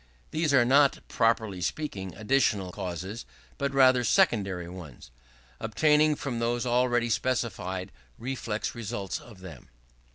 These are not, properly speaking, additional causes; but rather secondary ones, originating from those already specified reflex results of them.